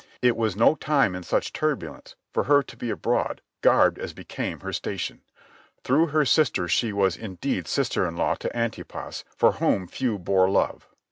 It was no time in such turbulence for her to be abroad garbed as became her station. Through her sister she was indeed sister in law to Antipas for whom few bore love.